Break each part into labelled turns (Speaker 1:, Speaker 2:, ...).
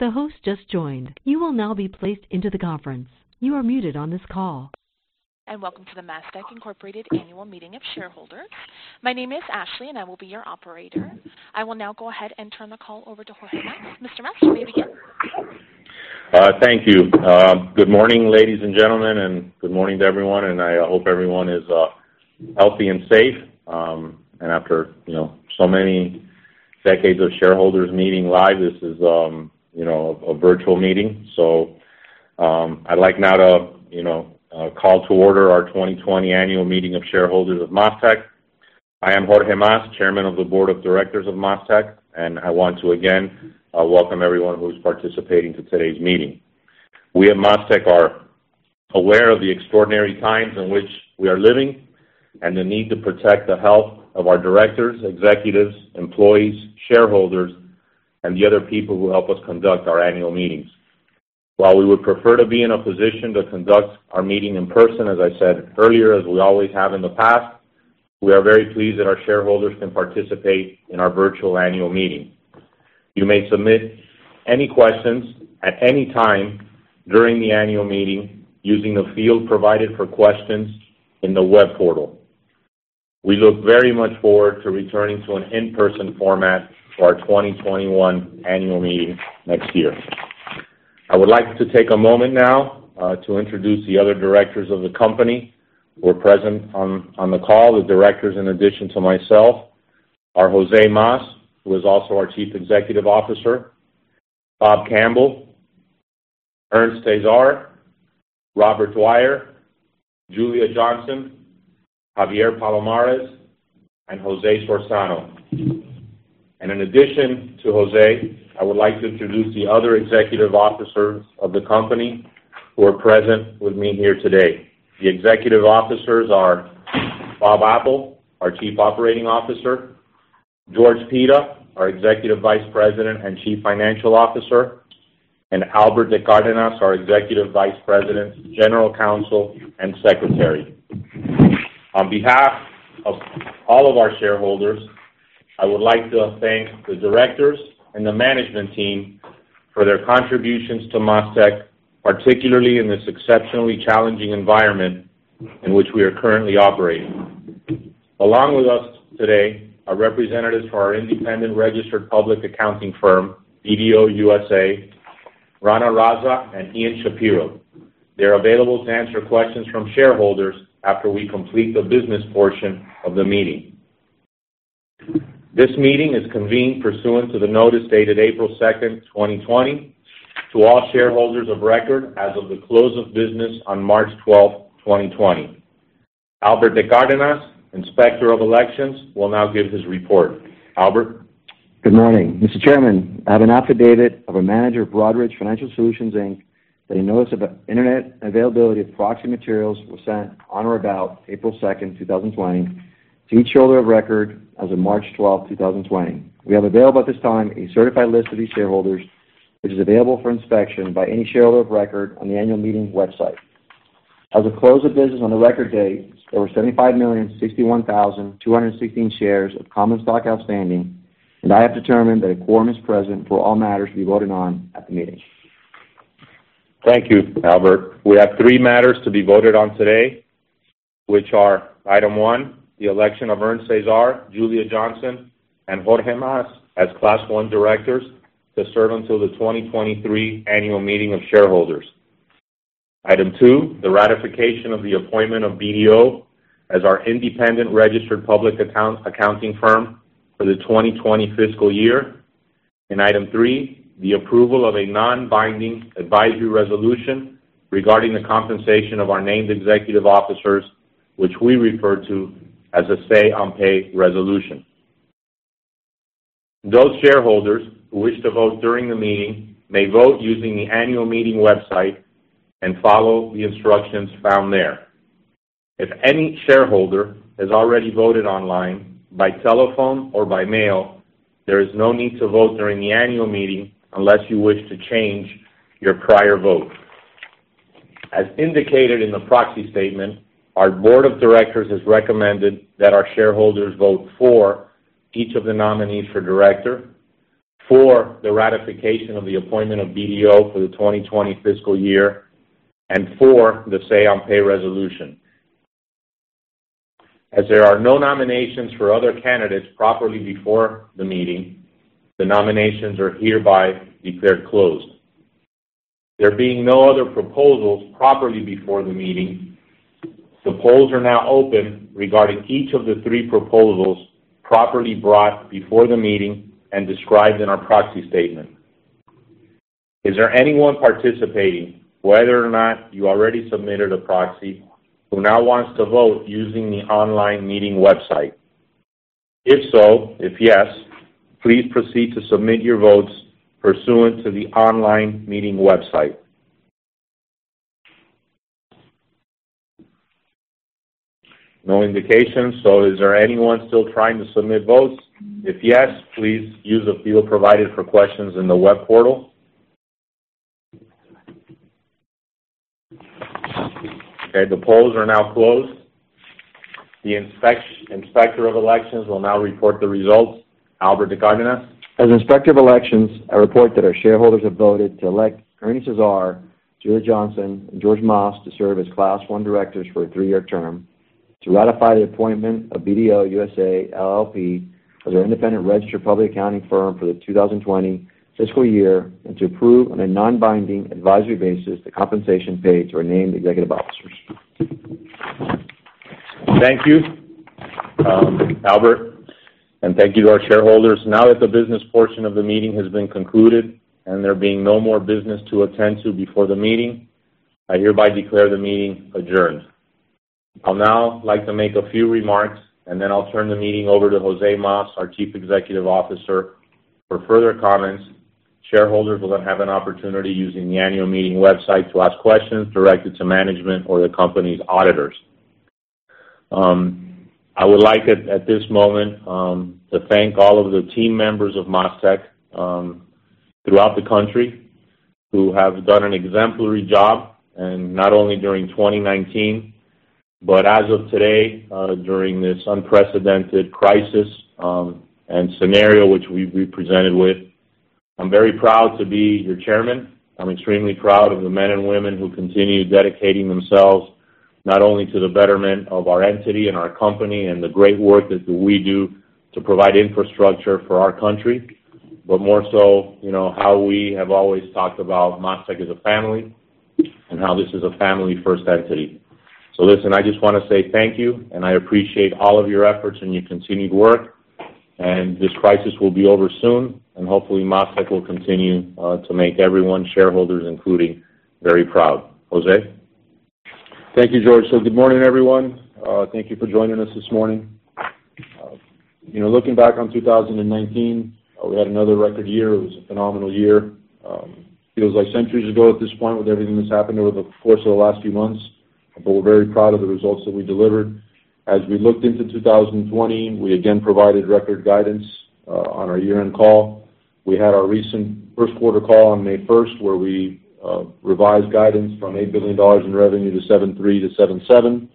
Speaker 1: The host just joined. You will now be placed into the conference. You are muted on this call. Welcome to the MasTec Incorporated Annual Meeting of Shareholders. My name is Ashley, and I will be your operator. I will now go ahead and turn the call over to Jorge Mas. Mr. Mas, you may begin.
Speaker 2: Thank you. Good morning, ladies and gentlemen, and good morning to everyone. I hope everyone is healthy and safe. After so many decades of shareholders meeting live, this is a virtual meeting. I'd like now to call to order our 2020 Annual Meeting of Shareholders of MasTec. I am Jorge Mas, Chairman of the Board of Directors of MasTec, and I want to again welcome everyone who is participating to today's meeting. We at MasTec are aware of the extraordinary times in which we are living and the need to protect the health of our directors, executives, employees, shareholders, and the other people who help us conduct our annual meetings. While we would prefer to be in a position to conduct our meeting in person, as I said earlier, as we always have in the past, we are very pleased that our shareholders can participate in our virtual annual meeting. You may submit any questions at any time during the annual meeting using the field provided for questions in the web portal. We look very much forward to returning to an in-person format for our 2021 annual meeting next year. I would like to take a moment now to introduce the other directors of the company who are present on the call, the directors in addition to myself: our José Mas, who is also our Chief Executive Officer, Rob Campbell, Ernest Csiszar, Robert Dwyer, Julia Johnson, Javier Palomarez, and José Sorzano. In addition to José, I would like to introduce the other executive officers of the company who are present with me here today. The executive officers are Rob Apple, our Chief Operating Officer, George Pita, our Executive Vice President and Chief Financial Officer, and Alberto de Cárdenas, our Executive Vice President, General Counsel, and Secretary. On behalf of all of our shareholders, I would like to thank the directors and the management team for their contributions to MasTec, particularly in this exceptionally challenging environment in which we are currently operating. Along with us today are representatives for our independent registered public accounting firm, BDO USA, Rana Razza and Ian Shapiro. They are available to answer questions from shareholders after we complete the business portion of the meeting. This meeting is convened pursuant to the notice dated April 2, 2020, to all shareholders of record as of the close of business on March 12, 2020. Alberto de Cárdenas, Inspector of Elections, will now give his report. Albert.
Speaker 3: Good morning. Mr. Chairman, I have an affidavit of a manager of Broadridge Financial Solutions, Inc., that a notice of internet availability of proxy materials was sent on or about April 2, 2020, to each shareholder of record as of March 12, 2020. We have available at this time a certified list of these shareholders, which is available for inspection by any shareholder of record on the annual meeting website. As of close of business on the record date, there were 75,061,216 shares of common stock outstanding, and I have determined that a quorum is present for all matters to be voted on at the meeting.
Speaker 2: Thank you, Alberto. We have three matters to be voted on today, which are: item one, the election of Ernest Csiszar, Julia Johnson, and Jorge Mas as Class I directors to serve until the 2023 annual meeting of shareholders; item two, the ratification of the appointment of BDO as our independent registered public accounting firm for the 2020 fiscal year; and item three, the approval of a non-binding advisory resolution regarding the compensation of our named executive officers, which we refer to as a Say-on-Pay resolution. Those shareholders who wish to vote during the meeting may vote using the annual meeting website and follow the instructions found there. If any shareholder has already voted online by telephone or by mail, there is no need to vote during the annual meeting unless you wish to change your prior vote. As indicated in the proxy statement, our board of directors has recommended that our shareholders vote for each of the nominees for director, for the ratification of the appointment of BDO for the 2020 fiscal year, and for the Say-on-Pay resolution. As there are no nominations for other candidates properly before the meeting, the nominations are hereby declared closed. There being no other proposals properly before the meeting, the polls are now open regarding each of the three proposals properly brought before the meeting and described in our proxy statement. Is there anyone participating, whether or not you already submitted a proxy, who now wants to vote using the online meeting website? If so, if yes, please proceed to submit your votes pursuant to the online meeting website. No indications. So is there anyone still trying to submit votes? If yes, please use the field provided for questions in the web portal. Okay. The polls are now closed. The inspector of elections will now report the results. Alberto de Cárdenas.
Speaker 3: As inspector of elections, I report that our shareholders have voted to elect Ernest Csiszar, Julia Johnson, and Jorge Mas to serve as Class I directors for a three-year term, to ratify the appointment of BDO USA, LLP as our independent registered public accounting firm for the 2020 fiscal year, and to approve on a non-binding advisory basis the compensation paid to our named executive officers.
Speaker 2: Thank you, Albert. Thank you to our shareholders. Now that the business portion of the meeting has been concluded and there being no more business to attend to before the meeting, I hereby declare the meeting adjourned. I'll now like to make a few remarks, and then I'll turn the meeting over to José Mas, our Chief Executive Officer, for further comments. Shareholders will then have an opportunity using the annual meeting website to ask questions directed to management or the company's auditors. I would like at this moment to thank all of the team members of MasTec throughout the country who have done an exemplary job, and not only during 2019 but as of today during this unprecedented crisis and scenario which we've been presented with. I'm very proud to be your Chairman. I'm extremely proud of the men and women who continue dedicating themselves not only to the betterment of our entity and our company and the great work that we do to provide infrastructure for our country, but more so how we have always talked about MasTec as a family and how this is a family-first entity. So listen, I just want to say thank you, and I appreciate all of your efforts and your continued work. And this crisis will be over soon, and hopefully, MasTec will continue to make everyone, shareholders including, very proud. José?
Speaker 4: Thank you, Jorge. Good morning, everyone. Thank you for joining us this morning. Looking back on 2019, we had another record year. It was a phenomenal year. Feels like centuries ago at this point with everything that's happened over the course of the last few months, but we're very proud of the results that we delivered. As we looked into 2020, we again provided record guidance on our year-end call. We had our recent first-quarter call on May 1st where we revised guidance from $8 billion in revenue to $7.3 billion to $7.7 billion,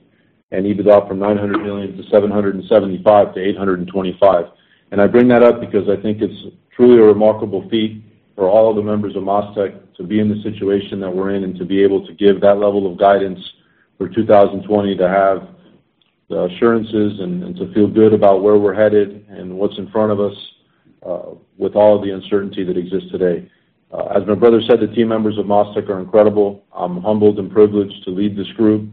Speaker 4: and EBITDA up from $900 million to $775 million to $825 million. I bring that up because I think it's truly a remarkable feat for all of the members of MasTec to be in the situation that we're in and to be able to give that level of guidance for 2020, to have the assurances and to feel good about where we're headed and what's in front of us with all of the uncertainty that exists today. As my brother said, the team members of MasTec are incredible. I'm humbled and privileged to lead this group.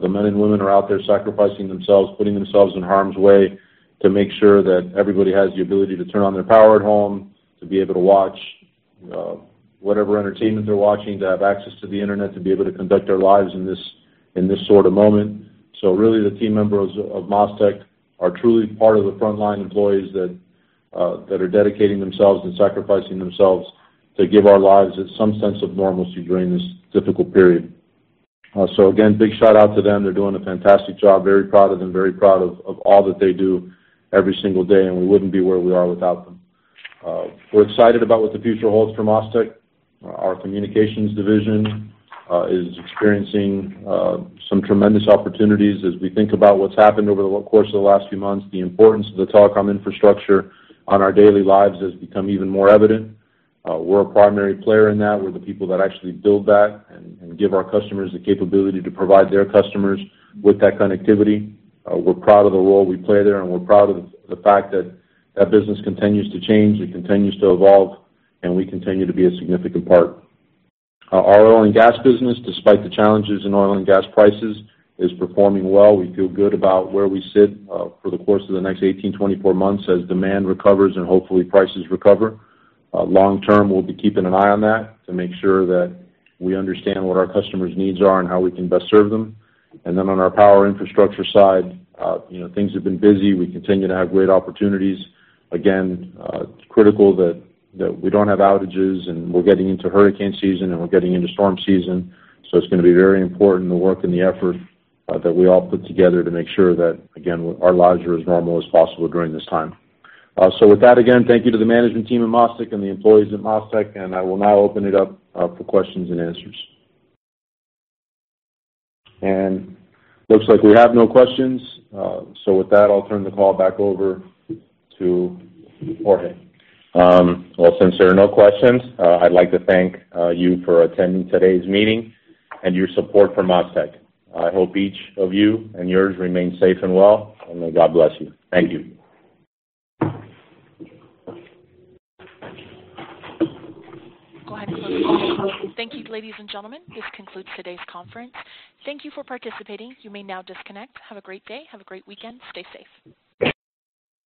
Speaker 4: The men and women are out there sacrificing themselves, putting themselves in harm's way to make sure that everybody has the ability to turn on their power at home, to be able to watch whatever entertainment they're watching, to have access to the internet, to be able to conduct their lives in this sort of moment. So really, the team members of MasTec are truly part of the frontline employees that are dedicating themselves and sacrificing themselves to give our lives some sense of normalcy during this difficult period. So again, big shout-out to them. They're doing a fantastic job. Very proud of them. Very proud of all that they do every single day. And we wouldn't be where we are without them. We're excited about what the future holds for MasTec. Our communications division is experiencing some tremendous opportunities as we think about what's happened over the course of the last few months. The importance of the telecom infrastructure on our daily lives has become even more evident. We're a primary player in that. We're the people that actually build that and give our customers the capability to provide their customers with that connectivity. We're proud of the role we play there, and we're proud of the fact that that business continues to change. It continues to evolve, and we continue to be a significant part. Our oil and gas business, despite the challenges in oil and gas prices, is performing well. We feel good about where we sit for the course of the next 18 to 24 months as demand recovers and hopefully prices recover. Long term, we'll be keeping an eye on that to make sure that we understand what our customers' needs are and how we can best serve them. And then on our power infrastructure side, things have been busy. We continue to have great opportunities. Again, critical that we don't have outages, and we're getting into hurricane season, and we're getting into storm season. It's going to be very important, the work and the effort that we all put together to make sure that, again, our lives are as normal as possible during this time. With that, again, thank you to the management team at MasTec and the employees at MasTec. I will now open it up for questions and answers. Looks like we have no questions. With that, I'll turn the call back over to Jorge.
Speaker 2: Well, since there are no questions, I'd like to thank you for attending today's meeting and your support for MasTec. I hope each of you and yours remain safe and well, and may God bless you. Thank you.
Speaker 1: Thank you, ladies and gentlemen. This concludes today's conference. Thank you for participating. You may now disconnect. Have a great day. Have a great weekend. Stay safe.